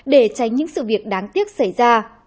để tránh những sự việc đáng tiếc xảy ra